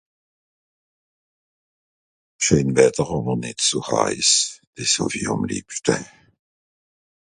Scheen Wätter àwer nìtt so heiss, dìss hàw i àm liebschte